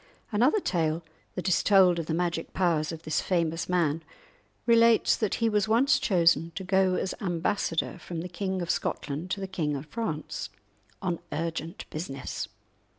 Another tale that is told of the magic powers of this famous man relates that he was once chosen to go as ambassador from the King of Scotland to the King of France on urgent business.